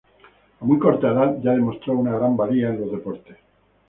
A muy corta edad, ya demostró una gran valía en los deportes.